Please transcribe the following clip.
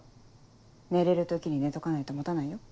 寝れる時に寝とかないと持たないよ。